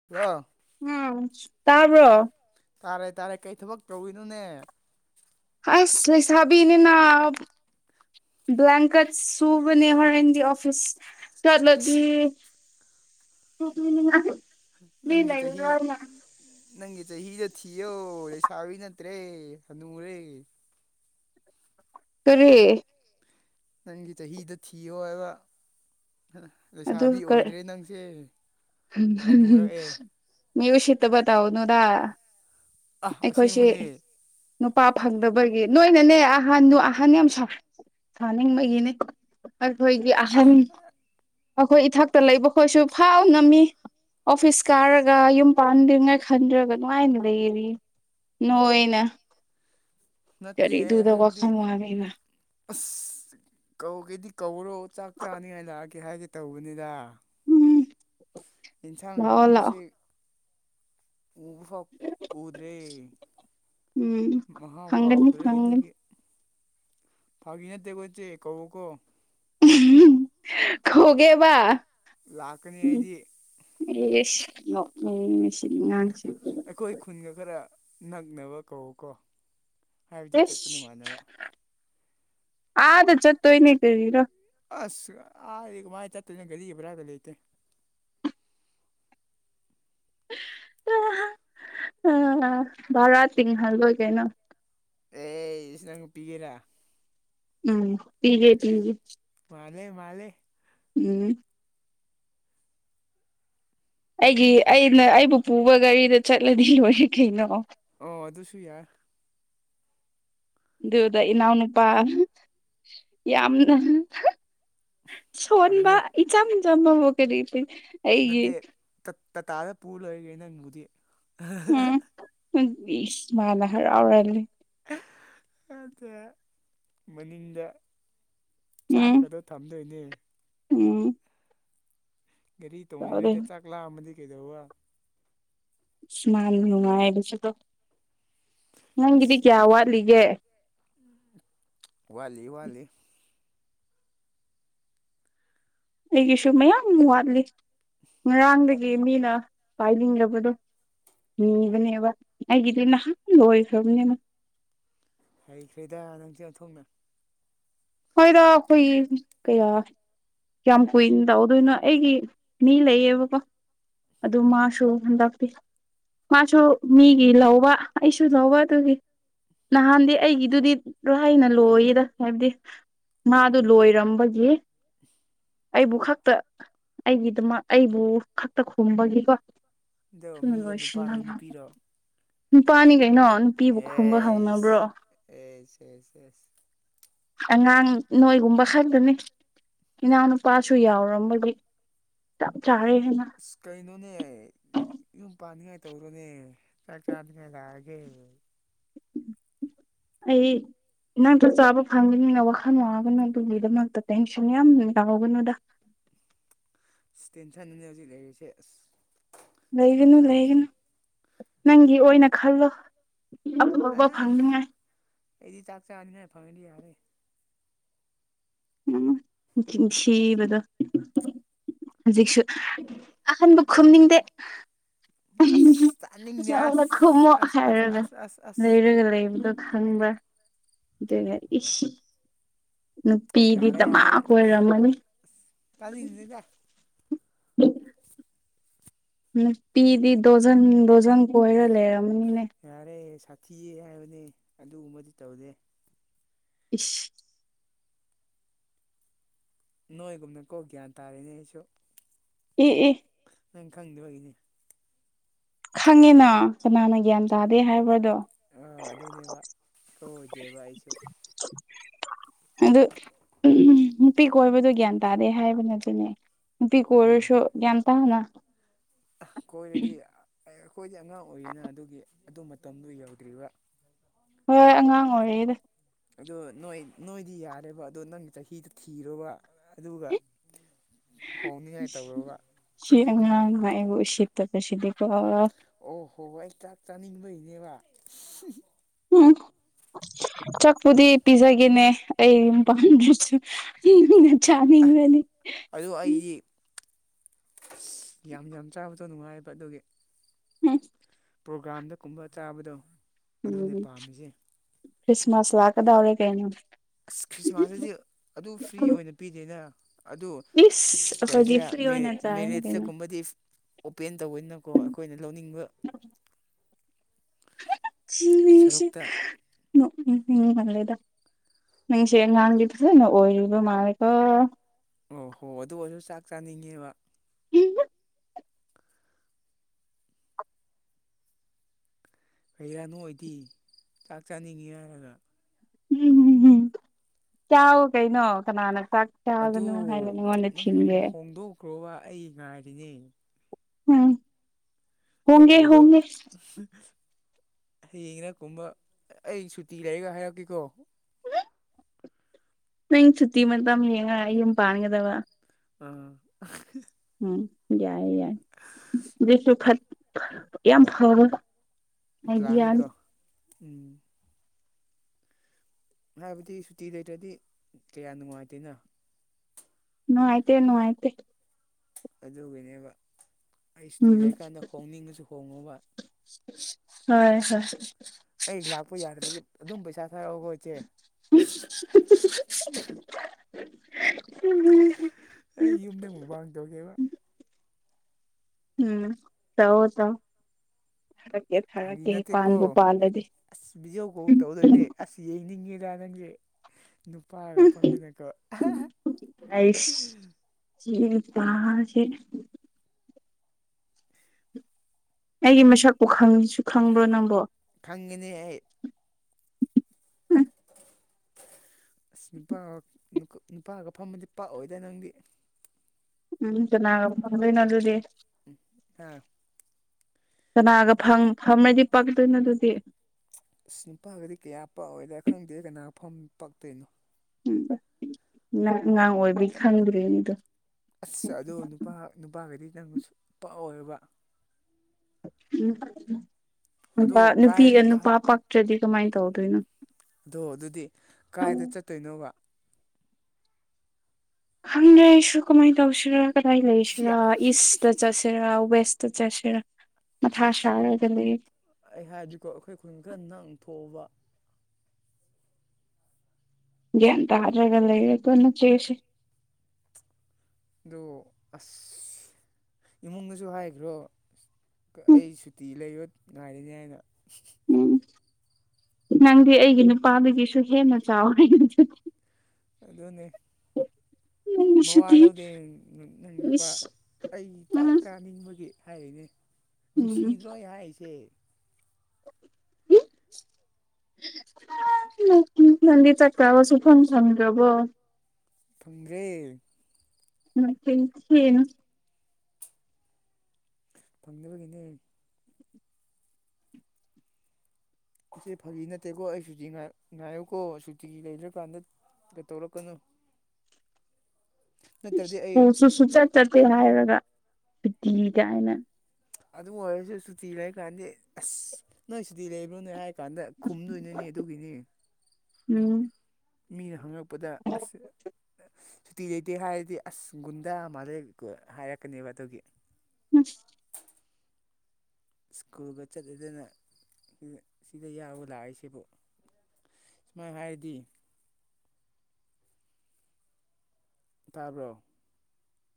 [unintelligible] ꯎꯝ ꯇꯥꯕ꯭ꯔꯣ ꯇꯥꯔꯦ ꯇꯥꯔꯦ ꯀꯩ ꯊꯕꯛ ꯇꯧꯔꯨꯢꯅꯣꯅꯦ ꯍꯩꯁ ꯂꯩꯁꯥꯕꯤꯅꯦꯅ ꯕ꯭ꯂꯦꯟꯀꯠ ꯁꯨꯕꯅꯤ ꯍꯣꯔꯦꯟꯒꯤ ꯑꯣꯐꯤꯁ ꯆꯠꯂꯗꯤ [unintelligible] ꯃꯤ ꯅꯪꯒꯤ ꯆꯍꯤ ꯂꯩꯔꯔꯣꯏꯅ ꯅꯪꯒꯤ ꯆꯍꯤꯗꯣ ꯊꯤꯌꯣ ꯂꯩꯁꯥꯕꯤ ꯅꯠꯇ꯭ꯔꯦ ꯍꯅꯨꯔꯦ ꯀꯔꯤ ꯅꯪꯒꯤ ꯆꯍꯤꯗꯣ ꯊꯤꯌꯣ ꯍꯥꯏꯕ ꯑꯗꯨ ꯂꯩꯁꯥꯕꯤ ꯀꯔꯤ ꯑꯣꯏꯗ꯭ꯔꯦ ꯅꯪꯁꯦ ꯍꯅꯨꯔꯛꯑꯦ ꯃꯤ ꯎꯁꯤꯠꯇꯕ ꯇꯧꯅꯨꯗ ꯑꯥ ꯑꯩꯈꯣꯏꯁꯤ ꯑꯁꯦꯡꯕꯅꯦ ꯅꯨꯄꯥ ꯐꯪꯗꯕꯒꯤ ꯅꯣꯏꯅꯅꯦ ꯑꯍꯟꯗꯣ ꯑꯍꯟ ꯌꯥꯝ ꯁꯥ ꯁꯥꯅꯤꯡꯕꯒꯤꯅꯦ ꯑꯈꯣꯏꯗꯤ ꯑꯥ ꯑꯍꯟ ꯑꯈꯣꯏ ꯏꯊꯛꯇ ꯂꯩꯕ ꯈꯣꯏꯁꯨ ꯐꯥꯎ ꯅꯝꯃꯤ ꯑꯣꯐꯤꯁ ꯀꯥꯔꯒ ꯌꯨꯝ ꯄꯥꯟꯗ꯭ꯔꯤꯉꯥꯏ ꯈꯟꯗ꯭ꯔꯒ ꯅꯨꯡꯉꯥꯏꯅ ꯂꯩꯔꯤ ꯅꯣꯏꯅ ꯅꯠꯇꯦ ꯑꯩ ꯀꯔꯤꯗꯨꯗ ꯍꯥꯏꯕꯗꯤ ꯋꯥꯈꯜ ꯋꯥꯕꯤꯕ ꯑꯁ ꯀꯧꯒꯦꯗꯤ ꯀꯧꯔꯣ ꯆꯥꯛ ꯆꯥꯅꯤꯉꯥꯏ ꯂꯥꯛꯑꯒꯦ ꯍꯥꯏꯒꯦ ꯇꯧꯕꯅꯤꯗ ꯎꯝ ꯏꯟꯁꯥꯡ ꯂꯥꯛꯑꯣ ꯍꯥꯎꯕꯁꯦ ꯂꯥꯛꯑꯣ ꯎꯕ ꯐꯥꯎ ꯎꯗ꯭ꯔꯦ ꯎꯝ ꯃꯍꯥꯎ ꯐꯪꯒꯅꯤ ꯀꯥꯎꯥꯈ꯭ꯔꯦ ꯐꯪꯒꯅꯤ ꯑꯗꯨꯒꯤ ꯐꯥꯒꯤꯅꯠꯇꯦꯀꯣ ꯏꯆꯦ ꯀꯧꯔꯛꯎꯀꯣ ꯀꯧꯒꯦꯕ ꯂꯥꯛꯀꯅꯤ ꯑꯩꯗꯤ ꯢꯁ ꯅꯣꯛꯅꯤꯡꯉꯦ ꯁꯤ ꯑꯉꯥꯡꯁꯤ ꯑꯈꯣꯏ ꯈꯨꯟꯒ ꯈꯔ ꯅꯛꯅꯕ ꯀꯧꯑꯣꯀꯣ ꯍꯥꯏꯕꯗꯤ ꯆꯠꯄ ꯏꯁ ꯅꯨꯡꯉꯥꯟꯅꯕ ꯑꯥꯗ ꯆꯠꯇꯣꯏꯅꯦ ꯀꯔꯤꯔꯣ ꯑꯁ ꯑꯥꯗꯤ ꯀꯃꯥꯏ ꯆꯠꯇꯣꯏꯅꯣ ꯒꯔꯤꯒꯤ ꯕ꯭ꯔꯥꯒ ꯂꯩꯇꯦ ꯑ ꯚꯔꯥ ꯇꯤꯡꯍꯜꯂꯣꯏ ꯀꯩꯅꯣ ꯑꯦꯁ ꯅꯪꯅ ꯄꯤꯒꯦꯔꯥ ꯎꯝ ꯄꯤꯒꯦ ꯄꯤꯒꯦ ꯃꯥꯜꯂꯦ ꯃꯥꯜꯂꯦ ꯎꯝ ꯑꯩꯒꯤ ꯍꯥ ꯑꯩꯅ ꯑꯩꯕꯨ ꯄꯨꯕ ꯒꯥꯔꯤꯗ ꯆꯠꯂꯗꯤ ꯂꯣꯏꯔꯦ ꯀꯩꯅꯣ ꯑꯣ ꯑꯗꯨꯁꯨ ꯌꯥꯏ ꯗꯨꯗ ꯏꯅꯥꯎ ꯅꯨꯄꯥ ꯌꯥꯝꯅ ꯁꯣꯟꯕ ꯑꯗꯨꯅꯦ ꯏꯆꯝ ꯆꯝꯕꯕꯨ ꯀꯔꯤꯗꯤ ꯅꯠꯇꯦ ꯇ-ꯇꯇꯥꯗ ꯄꯨ ꯂꯣꯏꯔ ꯀꯩꯅꯣ ꯅꯪꯕꯨꯗꯤ ꯎꯝ ꯏꯁ ꯃꯥꯅ ꯍꯔꯥꯎꯔꯥ ꯂꯩ [unintelligible] ꯃꯅꯤꯡꯗ ꯎꯝ ꯆꯥꯛꯀꯗꯣ ꯊꯝꯗꯣꯏꯅꯦ ꯎꯝ ꯒꯔꯤ ꯇꯧꯔꯦ ꯇꯣꯡꯉꯤꯉꯩꯗ ꯆꯥꯛ ꯂꯥꯝꯃꯗꯤ ꯀꯩꯗꯧꯕ ꯏꯁ ꯃꯥꯅ ꯅꯨꯡꯉꯥꯏꯕꯁꯨꯗꯣ ꯅꯪꯒꯤꯗꯤ ꯀꯌꯥ ꯋꯥꯠꯂꯤꯒꯦ [inaudible] ꯋꯥꯠꯂꯤ-ꯋꯥꯠꯂꯤ꯫ ꯑꯩꯒꯤꯁꯨ ꯃꯌꯥꯝ ꯋꯥꯠꯂꯤ ꯉꯔꯥꯡꯗꯒꯤ ꯃꯤꯅ ꯄꯥꯏꯅꯤꯡꯂꯕꯗꯣ ꯅꯤꯕꯅꯦꯕ ꯑꯩꯒꯤꯗꯤ ꯅꯍꯥꯟ ꯂꯣꯏꯈ꯭ꯔꯕꯅꯤ ꯃ ꯍꯩꯈ꯭ꯔꯦꯗ ꯅꯪꯁꯦ ꯑꯣꯟꯊꯣꯛꯅ꯫ ꯈꯣꯏꯔꯣ ꯈꯣꯏꯒꯤ [inaudible] ꯀꯌꯥ ꯀꯌꯥꯝ ꯀꯨꯏꯅ ꯇꯧꯗꯣꯏꯅꯣ ꯑꯩꯒꯤ ꯃꯤ ꯂꯩꯌꯦꯕꯀꯣ꯫ ꯑꯗꯨ ꯃꯥꯁꯨ ꯍꯟꯗꯛꯇꯤ ꯃꯥꯁꯨ ꯃꯤꯒꯤ ꯂꯧꯕ ꯑꯩꯁꯨ ꯂꯧꯕ ꯑꯗꯨꯒꯤ꯫ ꯅꯍꯥꯟꯗꯤ ꯑꯩꯒꯤꯗꯨꯗꯤ ꯔꫭꯍꯩꯅ ꯂꯣꯏꯌꯦꯗ ꯍꯥꯏꯕꯗꯤ ꯃꯥꯗꫭ ꯂꯣꯏꯔꯝꯕꯒꯤ [unintelligible] ꯑꯩꯕꯨ ꯈꯛꯇ ꯑꯩꯒꯤꯗꯃꯛ ꯑꯩꯕꯨ ꯈꯛꯇ ꯈꯨꯝꯕꯒꯤꯀꯣ꯫ ꯑꯗꯣ ꯊꯨꯅ ꯃꯤꯗꯣ ꯂꯣꯏꯁꯤꯜꯂꯣ ꯅꯨꯄꯥꯔꯣ ꯅꯨꯄꯤꯔꯣ ꯅꯨꯄꯥꯅꯤ ꯀꯩꯅꯣ ꯅ ꯄꯤꯕꯨ ꯈꯨꯝꯕ ꯍꯧꯅꯕ꯭ꯔꯣ꯫ ꯑꯦ ꯁꯦꯁ ꯁꯦꯁ꯫ ꯑꯉꯥꯡ ꯅꯣꯏꯒꯨꯝꯕ ꯈꯛꯇꯅꯤ ꯏꯅꯥꯎꯅꯨꯄꯥꯁꯨ ꯌꯥꯎꯔꯝꯕꯒꯤ꯫ ꯆꯥꯞ ꯆꯥꯔꯦ ꯍꯥꯢꯅ [unintelligible] ꯀꯩꯅꯣꯅꯦ꯫ ꯌꯨꯝ ꯄꯥꯟꯅꯤꯉꯥꯏ ꯇꯧꯔꯣꯅꯦ ꯆꯥꯛ ꯆꯥꯅꯤꯉꯥꯏ ꯂꯥꯛꯑꯒꯦ꯫ ꯑꯩ ꯅꯪ ꯆꯥꯛ ꯆꯥꯕ ꯐꯪꯒꯅꯤꯅ ꯋꯥꯈꯜ ꯋꯥꯒꯅꯨ ꯑꯗꯨꯒꯤꯗꯃꯛꯇ ꯇꯦꯟꯁꯟ ꯌꯥꯝ ꯂꯥꯎꯒꯅꯨꯗ꯫ ꯑꯁ ꯇꯦꯟꯁꯟꯗꯅꯦ ꯍꯧꯖꯤꯛ ꯂꯩꯔꯤꯁꯦ ꯑꯁ꯫ ꯆꯥꯛ ꯆꯥꯕ ꯂꯩꯒꯅꯨ-ꯂꯩꯒꯅꯨ ꯐꯪ ꯅꯪꯒꯤ ꯑꯣꯏꯅ ꯈꯜꯂꯣ꯫ ꯑ ꯑꯐꯕ ꯐꯪꯅꯤꯡꯉꯥꯏ꯫ ꯑꯩꯗꯤ ꯆꯥꯛ ꯆꯥꯅꯤꯉꯥꯢ ꯐꯪꯑꯗꯤ ꯌꯥꯔꯦ꯫ ꯎꯝ ꯅꯆꯤꯟ ꯊꯤꯕꯗꯣ꯫ ꯍꯧꯖꯤꯛꯁꯨ ꯑꯍꯟꯕꯨ ꯈꯨꯝꯅꯤꯡꯗꯦ꯫ ꯑꯁ ꯆꯥꯅꯤꯡꯗꯦ [unintelligible] [inaudible] ꯑꯁ ꯈꯨꯝꯃꯣ ꯑꯁ ꯑꯁ ꯍꯥꯏꯔꯒ ꯑꯁ ꯑꯁ ꯑꯁ ꯂꯩꯔꯒ ꯂꯩꯕꯗꯣ ꯈꯪꯕ꯭ꯔꯥ꯫ ꯑꯗꯨꯒ ꯏꯁ ꯅꯨꯄꯤꯗꯤ ꯌꯥꯔꯦ ꯗꯃꯥ ꯌꯥꯔꯦ ꯀꯣꯏꯔꯝꯃꯅꯤ꯫ ꯑꯁ ꯇꯥꯅꯤꯡꯗꯦꯗ꯫ [unintelligible] ꯅꯨꯄꯤꯗꯤ ꯗꯣꯖꯟ ꯗꯣꯖꯟ ꯀꯣꯏꯔ ꯂꯩꯔꯝꯃꯅꯤꯅꯦ꯫ ꯌꯥꯔꯦ ꯁꯥꯊꯤꯌꯦ ꯍꯥꯏꯕꯅꯦ ꯑꯗꯨꯒꯨꯝꯕꯗꯤ ꯇꯧꯗꯦ꯫ ꯏꯁ꯫ ꯅꯣꯏꯒꯨꯝꯅꯀꯣ ꯒ꯭ꯌꯥꯟ ꯇꯥꯔꯤꯅꯦ ꯑꯩꯁꯨ꯫ ꯑꯦ ꯑꯦ꯫ ꯅꯪ ꯈꯪꯗꯕꯒꯤꯅꯦ꯫ ꯈꯪꯉꯦꯅ ꯀꯅꯥꯅ ꯒ꯭ꯌꯥꯟ ꯇꯥꯗꯦ ꯍꯥꯏꯕ꯭ꯔꯥ ꯑꯗꯣ꯫ ꯑ ꯑꯗꯨꯅꯦꯕ ꯀꯣꯏꯗꯦꯕ ꯑꯩꯁꯨ꯫ ꯑꯗꯨ ꯎꯝ ꯅꯨꯄꯤ ꯀꯣꯏꯕꯗꯣ ꯒ꯭ꯌꯥꯟ ꯇꯥꯗꯦ ꯍꯥꯏꯕ ꯅꯠꯇꯦꯅꯦ꯫ ꯅꯨꯄꯤ ꯑꯥ ꯀꯣꯢꯔꯁꯨ ꯒ꯭ꯌꯥꯟ ꯇꯥꯅ꯫ ꯀꯣꯏꯔꯗꯤ ꯑ ꯑꯩꯈꯣꯏꯗꯤ ꯑꯉꯥꯡ ꯑꯣꯏꯔꯤꯅ ꯑꯗꯨꯒꯤ ꯑꯗꯨ ꯃꯇꯝꯗꯨ ꯌꯧꯗ꯭ꯔꯤꯕ꯫ ꯍꯣꯏ ꯑꯉꯥꯡ ꯑꯣꯏꯔꯤꯌꯦꯗ꯫ ꯑꯗꯣ ꯅꯣꯏ ꯅꯣꯏꯗꯤ ꯌꯥꯔꯦꯕ ꯑꯗꯣ ꯅꯪꯒꯤ ꯆꯍꯤꯗꯨ ꯊꯤꯔꯣꯕ ꯑꯗꯨꯒ [inaudible] ꯍꯣꯡꯅꯤꯡꯉꯥꯏ ꯇꯧꯔꯣꯕ ꯁꯤ ꯑꯉꯥꯡꯅ ꯑꯩꯕꯨ ꯎꯁꯤꯠꯇꯕꯁꯤꯗꯤꯀꯣ ꯑꯣ ꯍꯣ ꯑꯩ ꯆꯥꯛ ꯆꯥꯅꯤꯡꯕꯩꯅꯦꯕ ꯍꯝ ꯆꯥꯛꯄꯨꯗꯤ ꯄꯤꯖꯒꯦꯅꯦ ꯑꯩ ꯌꯨꯝ ꯄꯥꯟꯗ꯭ꯔꯁꯨ ꯑ ꯆꯥꯅꯤꯡꯔꯅꯤ ꯑꯗꯨ ꯑꯩꯗꯤ ꯌꯥꯝ ꯌꯥꯝ ꯆꯥꯕꯗꯣ ꯅꯨꯡꯉꯥꯏꯕ ꯑꯗꯨꯒꯤ [unintelligible] ꯄ꯭ꯔꯣꯒꯥꯝꯗ ꯀꯨꯝꯕ ꯆꯥꯕꯗꯣ ꯑꯗꯨꯅꯦ ꯎꯝ ꯄꯥꯝꯃꯤꯁꯦ ꯈ꯭ꯔꯤꯁꯃꯥꯁ ꯂꯥꯛꯀꯗꯧꯔꯦ ꯀꯩꯅꯣ ꯑꯁ ꯈ꯭ꯔꯤꯁꯃꯥꯁꯇꯗꯤ ꯑꯗꯨ ꯐ꯭ꯔꯤ ꯑꯣꯏꯅ ꯄꯤꯗꯦꯅ ꯑꯗꯨ ꯏꯁ ꯀꯩ ꯑꯩꯈꯣꯏꯗꯤ ꯍꯥꯢꯁꯤꯔꯥ ꯐ꯭ꯔꯤ ꯃꯦ ꯑꯣꯏꯅ ꯆꯥꯏꯅꯦ ꯃꯦꯔꯦꯠꯁꯇ ꯀꯩꯅꯣ ꯀꯨꯨꯝꯕꯗꯤ ꯑꯣꯄꯦꯟ ꯇꯧꯕꯅꯤꯅꯀꯣ ꯑꯩꯈꯣꯏꯅ ꯂꯧꯅꯤꯡꯕ ꯁꯔꯨꯛꯇ ꯅꯣꯛꯅꯤꯡ ꯃꯜꯂꯦꯗ ꯅꯪꯁꯦ ꯑꯉꯥꯡꯗꯤ ꯐꯖꯅ ꯑꯣꯏꯔꯤꯕ ꯃꯥꯜꯂꯦꯀꯣ ꯑꯣ ꯍꯣ ꯑꯗꯨ ꯑꯣꯏꯔꯁꯨ ꯆꯥꯛ ꯆꯥꯅꯤꯡꯉꯦꯕ ꯀꯩꯔꯥ ꯅꯣꯛꯏꯗꯤ ꯆꯥꯛ ꯆꯥꯅꯤꯡꯉꯤ ꯍꯥꯏꯔꯒ ꯎꯝꯝ ꯍꯝ ꯆꯥꯑꯣ ꯀꯩꯅꯣ ꯀꯅꯥꯅ ꯆꯥꯛ ꯑꯗꯨ ꯆꯥꯒꯅꯣ ꯍꯥꯢꯅ ꯅꯉꯣꯟꯗ ꯊꯤꯡꯒꯦ ꯀ꯭ꯔꯣꯕ ꯑꯩ ꯉꯥꯏꯔꯤꯅꯦ ꯍꯝ ꯑꯩ ꯀꯣꯜꯗꯣ ꯍꯌꯦꯡꯔ ꯀꯨꯝꯕ ꯑꯩ ꯁꯨꯇꯤ ꯂꯩꯔꯒ ꯍꯥꯏꯔꯛꯀꯦꯀꯣ ꯅꯪ ꯁꯨꯇꯤ ꯃꯇꯝ ꯌꯦꯡꯉ ꯑꯩ ꯌꯨꯝ ꯄꯥꯟꯒꯗꯕ ꯑꯥ ꯎꯝ ꯌꯥꯏ ꯌꯥꯏ ꯗꯨꯁꯨ ꯐꯠ ꯌꯥꯝ ꯐꯕ ꯄꯂꯥꯟꯅꯤꯀꯣ ꯑꯥꯏꯗꯤꯌꯥꯅꯤ ꯎꯝ ꯍꯥꯏꯕꯗꯤ ꯁꯨꯇꯤ ꯂꯩꯇ꯭ꯔꯗꯤ ꯀꯌꯥ ꯅꯨꯡꯉꯥꯏꯇꯦꯅ ꯅꯨꯉꯥꯏꯇꯦ ꯅꯨꯉꯥꯏꯇꯦ ꯑꯗꯨꯒꯤꯅꯦꯕ ꯑꯩ ꯁꯨꯇꯤ ꯎꯝ ꯂꯩꯀꯥꯟꯗ ꯍꯣꯡꯅꯤꯡꯉꯁꯨ ꯍꯣꯡꯉꯣꯕ ꯍꯣꯏ ꯍꯣꯏ ꯑꯩ ꯂꯥꯛꯄ ꯌꯥꯗ꯭ꯔꯗꯤ ꯑꯗꯨꯝ ꯄꯩꯁꯥ ꯊꯥꯔꯛꯑꯣꯀꯣ ꯏꯆꯦ [inaudible] ꯑꯩ ꯌꯨꯝꯗ ꯃꯨꯛꯕꯥꯥꯡ ꯇꯧꯒꯦꯕ ꯎꯝ ꯇꯧꯑꯣ ꯇꯧ ꯊꯥꯔꯛꯀꯦ ꯐꯥꯒꯤ ꯊꯥꯔꯛꯀꯦ ꯅꯠꯇꯦꯀꯣ ꯄꯥꯥꯟꯕꯨ ꯄꯥꯜꯂꯗꯤ ꯑꯁ ꯕꯤꯗꯤꯑꯣ ꯀꯣꯜꯒ ꯇꯧꯗꯣꯏꯅꯦ ꯑꯁ ꯌꯦꯡꯅꯤꯡꯉꯦꯗ ꯅꯪꯖꯦ ꯅꯨꯄꯥꯒ ꯐꯝꯗꯅꯀꯣ ꯑꯩꯁ ꯁꯤ ꯒꯤ ꯅꯨꯄꯥꯁꯤ ꯑꯩꯒꯤ ꯃꯁꯛꯄꯨ ꯈꯪꯁꯨ ꯈꯪꯕ꯭ꯔꯣ ꯅꯪꯕꯣ ꯈꯪꯉꯦꯅꯦ ꯑꯩ ꯑꯁ ꯅꯨꯄꯥꯒ ꯅꯨꯄꯥꯒ ꯐꯝꯃꯗꯤ ꯄꯛꯑꯣꯏꯗ ꯅꯪꯗꯤ ꯎꯝ ꯀꯅꯥꯒ ꯐꯝꯗꯣꯏꯅꯣ ꯑꯗꯨꯗꯤ ꯍꯥ ꯀꯅꯥꯒ ꯐꯝ ꯐꯝꯔꯗꯤ ꯄꯛꯀꯥꯗꯣꯏꯅꯣ ꯑꯗꯨꯗꯤ ꯑꯁ ꯅꯨꯄꯥꯒꯗꯤ ꯀꯌꯥ ꯄꯛꯑꯣꯏꯗ ꯈꯪꯗꯦ ꯀꯅꯥ ꯐꯝ ꯄꯛꯇꯣꯏꯅꯣ ꯎꯝ ꯅꯪ ꯑꯉꯥꯡ ꯑꯣꯏꯕꯒꯤ ꯈꯪꯗ꯭ꯔꯤꯅꯤ ꯑꯗꯨ ꯑꯁ ꯑꯗꯣ ꯅꯨꯄꯥ ꯅꯨꯄꯥꯒꯗꯤ ꯅꯪ ꯁꯨ ꯄꯛꯑꯣꯏꯕ ꯎꯝ ꯑꯗꯣ ꯅꯨꯄꯥ ꯀꯥꯏ ꯅꯨꯄꯤꯒ ꯀꯥꯏ ꯅꯨꯄꯥ ꯄꯥꯛꯇ꯭ꯔꯗꯤ ꯀꯃꯥꯏ ꯇꯧꯗꯣꯏꯅꯣ ꯑꯗꯣ ꯑꯗꯨꯗꯤ ꯀꯥꯏꯗ ꯆꯠꯇꯣꯏꯅꯣꯕ ꯍꯪꯗ꯭ꯔꯦ ꯑꯩꯁꯨ ꯀꯃꯥꯏ ꯇꯧꯁꯤꯔꯥ ꯀꯗꯥꯏ ꯁꯤꯌꯥ ꯂꯩꯁꯤꯔꯥ ꯏꯁꯇ ꯆꯠꯁꯤ ꯑꯩꯔ ꯋꯦꯁꯇ ꯆꯠꯁꯤꯔ ꯃꯊꯥ ꯁꯥꯔꯒ ꯂꯩꯌꯦ ꯑꯩ ꯍꯥꯏꯗꯤꯀꯣ ꯑꯩꯈꯣꯏ ꯈꯨꯟ ꯈꯔ ꯅꯛ ꯊꯣꯛꯑꯣꯕ ꯒ꯭ꯌꯥꯟ ꯇꯥꯗ꯭ꯔꯒ ꯂꯩꯔꯦꯀꯣ ꯅꯆꯦꯁꯦ ꯗꯣ ꯑꯁ ꯏꯃꯨꯡꯗꯁꯨ ꯍꯥꯏꯗ꯭ꯔꯣ ꯎꯝ ꯑꯩ ꯁꯨꯇꯤ ꯂꯩꯕꯒꯤ ꯉꯥꯏꯔꯤꯅꯤ ꯍꯥꯏꯅ ꯎꯝ ꯎꯝ ꯅꯪꯗꯤ ꯑꯩꯒꯤ ꯅꯨꯄꯥꯗꯒꯤꯁꯨ ꯍꯦꯟꯅ ꯆꯥꯎꯔꯦ ꯑꯗꯨꯗꯤ ꯑꯗꯨꯅꯦ ꯃꯋꯥ ꯑꯩꯒꯤꯁꯤꯗꯤ ꯂꯧꯗꯦ ꯅꯪ ꯅꯨꯄꯥ ꯏꯁ ꯑꯩ ꯆꯥꯛ ꯎꯝ ꯆꯥꯅꯤꯡꯕꯒꯤ ꯍꯥꯏꯔꯤꯅꯦ ꯎꯝ ꯅꯨꯡꯁꯤꯗ꯭ꯔꯣ ꯑꯩ ꯍꯥꯏꯔꯤꯁꯦ [inaudible] ꯅꯪꯗꯤ ꯆꯥꯛ ꯆꯥꯕ ꯁꯨꯛꯐꯪ ꯐꯪꯗ꯭ꯔꯕꯣ ꯐꯪꯗ꯭ꯔꯦ ꯅ ꯆꯤꯟ ꯊꯤꯔꯅꯨ ꯐꯪꯗꯕꯒꯤꯅꯦ ꯏꯆꯦ ꯐꯥꯒꯤ ꯅꯠꯇꯦꯀꯣ ꯑꯩ ꯁꯨꯇꯤ ꯉꯥꯢ ꯉꯥꯏꯌꯨꯀꯣ ꯁꯨꯇꯤ ꯂꯩꯗ꯭ꯔꯀꯥꯟꯗ ꯒ ꯇꯧꯔꯛꯀꯅꯣ ꯨꯁ꯭ꯀꯨꯜꯁꯨ ꯁꯨꯆꯠ ꯆꯠꯇꯦ ꯍꯥꯏꯔꯒ ꯁꯨꯇꯤ ꯀꯥꯏꯅ ꯑꯗꯨ ꯑꯣꯏꯔꯁꯨ ꯁꯨꯇꯤ ꯂꯩ ꯀꯥꯟꯗꯤ ꯑꯁ ꯅꯣꯏ ꯁꯨꯇꯤ ꯂꯩꯕ꯭ꯔꯣꯅꯦ ꯍꯥꯏ ꯀꯥꯟꯗ ꯈꯨꯝꯗꯣꯏꯅꯤꯅꯦ ꯑꯗꯨꯒꯤꯅꯦ ꯎꯝ ꯃꯤꯅ ꯍꯪꯉꯛꯄꯗ ꯑꯁ ꯇꯤ ꯂꯩꯇꯦ ꯍꯥꯏꯔꯗꯤ ꯑꯁ ꯒꯨꯟꯗꯥ ꯃꯥꯜꯂꯦ ꯍꯥꯏꯔꯛꯀꯅꯦꯕ ꯑꯗꯨꯒꯤ ꯎꯝ ꯁ꯭ꯀꯨꯜꯒ ꯆꯠꯂꯨꯗꯅ ꯁꯤꯗ ꯌꯥꯎꯕ ꯂꯥꯛꯏꯁꯤꯕꯨ ꯁꯨꯃꯥꯏ ꯍꯥꯏꯔꯗꯤ ꯇꯥꯕ꯭ꯔꯣ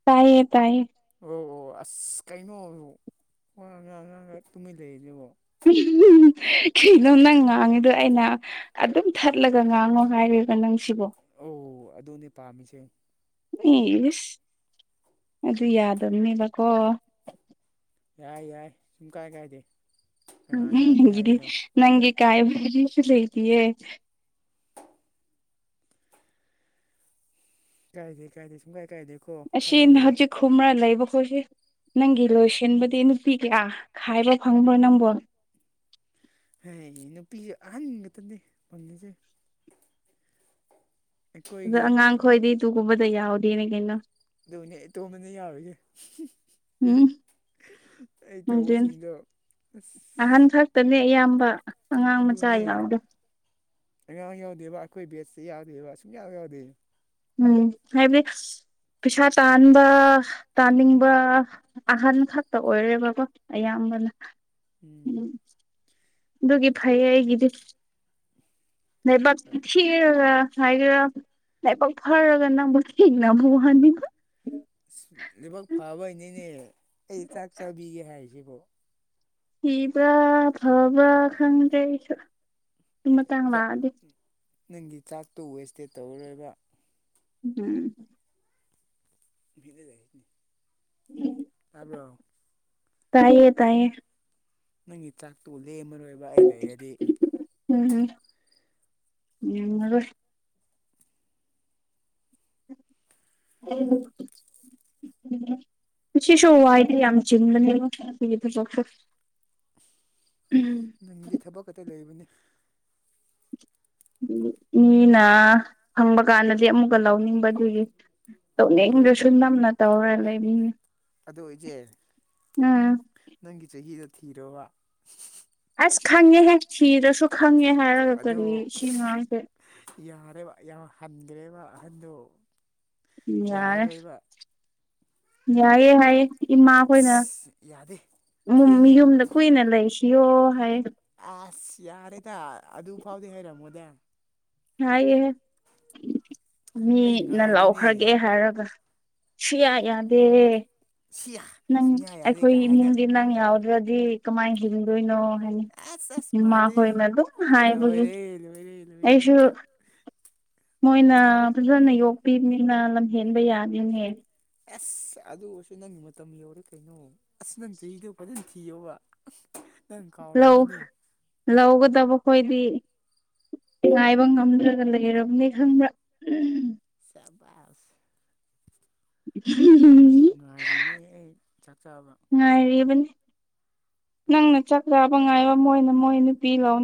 ꯇꯥꯏꯌꯦ ꯇꯥꯏꯌꯦ ꯑꯣ ꯑꯣ ꯑꯁ ꯀꯩꯅꯣ ꯋꯥ [unintelligible] ꯇꯨꯃꯤꯟ ꯂꯩꯔꯤꯖꯤꯕꯣ ꯀꯩꯅꯣ ꯅꯪ ꯉꯥꯡꯉꯤꯗꯣ ꯑꯩꯅ ꯑꯗꯨꯝ ꯊꯠꯂꯒ ꯉꯥꯡꯉꯣ ꯍꯥꯏꯔꯤꯕ ꯅꯪꯁꯤꯕꯣ ꯑꯣ ꯑꯗꯨꯅꯦ ꯄꯥꯝꯃꯤꯁꯦ ꯏꯁ ꯑꯗꯨ ꯌꯥꯗꯕꯅꯦꯕꯀꯣ ꯌꯥꯏ ꯌꯥꯏ ꯁꯨꯡ ꯀꯥꯏ ꯀꯥꯏꯗꯦ ꯀꯅꯥ ꯌꯥꯗꯦ ꯎꯝ ꯒꯤꯗꯤ ꯍꯥꯏꯔꯤꯅꯣ ꯅꯪꯒꯤ ꯀꯥꯏꯕꯗꯤ ꯀꯔꯤꯁꯨ ꯂꯩꯇꯤꯑꯦ ꯀꯥꯏꯗꯦ ꯀꯥꯏꯗꯦ ꯁꯨꯡꯀꯥꯏ ꯀꯥꯏꯗꯦ ꯑꯁꯤꯅ ꯍꯧꯖꯤꯛ ꯈꯨꯨꯝꯔ ꯂꯩꯕ ꯈꯣꯏꯁꯦ ꯅꯪꯒꯤ ꯂꯣꯏꯁꯤꯟꯕꯗꯤ ꯅꯨꯄꯤ ꯀꯌꯥ ꯈꯥꯏꯕ ꯐꯪꯕ꯭ꯔꯣ ꯅꯪꯕꯣ ꯍꯦꯌꯦ ꯅꯨꯄꯤ ꯑꯍꯟ ꯉꯥꯛꯇꯅꯦ ꯐꯪꯉꯤꯁꯦ ꯑꯗ ꯑꯩꯈꯣꯏꯒꯤ ꯑꯉꯥꯡ ꯈꯣꯏꯗꯤ ꯇꯨꯒꯨꯝꯕꯗ ꯌꯥꯎꯗꯦꯅꯦ ꯀꯩꯅꯣ ꯑꯗꯨꯅꯦ ꯏꯇꯣꯝꯇꯅꯦ ꯌꯥꯎꯔꯤꯁꯦ ꯎꯝ ꯑꯩ ꯑꯗꯨꯅꯤ ꯇꯧꯕꯁꯤꯡꯗꯣ ꯑꯁ ꯑꯍꯟ ꯈꯛꯇꯅꯦ ꯑꯌꯥꯝꯕ ꯑꯉꯥꯡ ꯃꯆꯥ ꯑꯗꯨꯅꯦ ꯌꯥꯎꯗꯦ ꯑꯉꯥꯡ ꯌꯥꯎꯗꯦꯕ ꯑꯩꯈꯣꯏ ꯕꯦꯠꯁꯦ ꯌꯥꯎꯗꯦꯕ ꯁꯨꯡꯌꯥꯎ ꯌꯥꯎꯗꯦ ꯎꯝ ꯍꯥꯏꯕꯗꯤ ꯄꯩꯁꯥ ꯇꯥꯟꯕ ꯇꯥꯟꯅꯤꯡꯕ ꯑꯍꯟ ꯈꯛꯇ ꯑꯣꯏꯔꯦꯕꯀꯣ ꯑꯌꯥꯝꯕꯅ ꯎꯝ ꯗꯨꯒꯤ ꯐꯩꯍꯦ ꯑꯩꯒꯤꯗꯤ [unintelligible] ꯊꯤꯔꯒ ꯍꯥꯏꯒꯦꯔ ꯂꯥꯏꯕꯛ ꯐꯔꯒ ꯅꯪꯕꯨ ꯊꯦꯡꯅꯕ ꯋꯥꯅꯤꯗ ꯂꯩꯕꯛ ꯐꯕꯩꯅꯤꯅꯦ ꯑꯩꯅ ꯆꯥꯛ ꯆꯥꯕꯤꯒꯦ ꯍꯥꯏꯔꯤꯁꯤꯕꯣ ꯊꯤꯕ꯭ꯔ ꯐꯕ꯭ꯔꯥ ꯈꯪꯗ꯭ꯔꯦ ꯑꯩꯁꯨ ꯑꯗꯨ ꯃꯇꯥꯡ ꯆꯥꯛ ꯂꯥꯛꯑꯗꯤ ꯅꯪꯒꯤ ꯆꯥꯛꯇꯣ ꯋꯦꯁꯇꯦꯠ ꯇꯧꯔꯣꯏꯕ ꯎꯝ [unintelligible] ꯇꯥꯕ꯭ꯔꯣ ꯇꯥꯏꯌꯦ ꯇꯥꯏꯌꯦ ꯅꯪꯒꯤ ꯆꯥꯛꯇꯨ ꯂꯦꯝꯃꯔꯣꯏꯕ ꯑꯩ ꯂꯩꯔꯗꯤ ꯎꯝ ꯂꯦꯝꯃꯔꯣꯏ [unintelligible] ꯉꯁꯤꯁꯨ ꯋꯥꯏꯗꯤ ꯌꯥꯝ ꯆꯤꯡꯕꯅꯤ ꯑꯈꯣꯏꯒꯤ ꯊꯕꯛꯁꯦ ꯅꯪꯗꯤ ꯊꯕꯛ ꯈꯛꯇ ꯂꯩꯕꯅꯤ ꯃꯤꯅ ꯐꯪꯕ ꯀꯥꯟꯗꯗꯤ ꯑꯃꯨꯛꯀ ꯂꯧꯅꯤꯡꯕꯗꯨꯒꯤ ꯑꯗꯣ ꯇꯧꯅꯤꯡꯗ꯭ꯔꯁꯨ ꯅꯝꯅ ꯇꯧꯔ ꯂꯩꯕꯅꯤꯅꯦ ꯑꯗꯣ ꯏꯆꯦ ꯅꯪꯒꯤ ꯆꯍꯤꯗꯣ ꯊꯤꯔꯣꯕ ꯑꯁ ꯈꯪꯉꯦꯍꯦ ꯊꯤꯗꯔꯁꯨ ꯈꯪꯉꯦ ꯍꯥꯏꯔꯒ ꯑꯗꯨ ꯀꯔꯤ ꯁꯤ ꯑꯉꯥꯡꯁꯦ ꯌꯥꯔꯦꯕ ꯌꯥꯝ ꯍꯟꯒꯔ꯭ꯦꯕ ꯑꯍꯟꯗꯣ ꯌꯥꯔꯦ ꯌꯥꯔꯔꯣꯏꯕ ꯌꯥꯏꯌꯦ ꯍꯥꯏꯌꯦ ꯏꯃꯥꯈꯣꯏꯅ ꯑꯁ ꯌꯥꯗꯦ ꯃꯨꯝ ꯊꯦꯡꯉꯦ ꯌꯨꯝꯗ ꯀꯨꯏꯅ ꯂꯩꯈꯤꯑꯣ ꯍꯥꯏꯌꯦ ꯑꯁ ꯌꯥꯔꯦꯗ ꯑꯗꯨ ꯐꯥꯎꯗꯤ ꯍꯥꯏꯔꯝꯃꯣꯏꯗ ꯍꯥꯏꯌꯦꯍꯦ ꯑꯩ ꯃꯤꯅ ꯉꯥꯏꯔꯤꯅꯦ ꯂꯧꯈ꯭ꯔꯒꯦ ꯍꯥꯏꯔꯒ ꯁꯨꯛꯌꯥ ꯌꯥꯗꯦ ꯁꯤꯌꯥ ꯅꯪ ꯁꯨꯡꯌꯥ ꯌꯥꯗꯦ ꯑꯩꯈꯣꯏ ꯀꯥꯏꯅ ꯏꯃꯨꯡꯗꯤ ꯅꯪ ꯌꯥꯎꯗ꯭ꯔꯗꯤ ꯀꯃꯥꯏꯅ ꯍꯤꯡꯗꯣꯏꯅꯣ ꯍꯥꯏꯅ ꯑꯁ ꯑꯁ ꯃꯥꯜꯂꯤ ꯃꯈꯣꯏꯅ ꯑꯗꯨꯝ ꯍꯥꯏꯕꯒꯤ ꯂꯣꯏꯔꯦ ꯂꯣꯏꯔꯦ ꯂꯣꯏꯔꯦ ꯑꯩꯁꯨ ꯃꯣꯏꯅ ꯐꯖꯅ ꯌꯣꯛꯄꯤꯕꯅꯤꯅ ꯂꯝꯍꯦꯟꯕ ꯌꯥꯗꯦꯅꯦ ꯑꯁ ꯑꯗꯨ ꯑꯣꯏꯔꯁꯨ ꯅꯪꯒꯤ ꯃꯇꯝ ꯌꯧꯔꯦ ꯀꯩꯅꯣ ꯑꯁ ꯅꯪ ꯆꯍꯤꯗꯣ ꯐꯖꯅ ꯊꯤꯌꯣꯕ ꯅꯪ ꯀꯥꯎꯔꯝꯃꯅꯤ [unintelligible] ꯂꯧꯒꯗꯕꯈꯣꯏꯗꯤ ꯉꯥꯏꯕ ꯉꯝꯗ꯭ꯔꯒ ꯂꯩꯔꯕꯅꯤ ꯈꯪꯕ꯭ꯔꯥ ꯁꯥꯕꯁ [unintelligible] ꯉꯥꯏꯔꯤꯅꯦ ꯑꯩ ꯆꯥꯛ ꯆꯥꯕ ꯉꯥꯏꯔꯤꯕꯅꯤ ꯅꯪꯅ ꯆꯥꯛ ꯆꯕ ꯉꯥꯏꯕ ꯃꯣꯏꯅ ꯃꯣꯏ ꯅꯨꯄꯤ ꯂꯧꯅꯤ